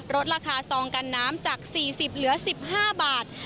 ลดราคาซองกันน้ำจาก๔๐เหลือ๑๕บาท